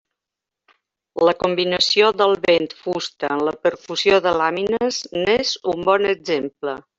La combinació del vent-fusta amb la percussió de làmines n'és un bon exemple.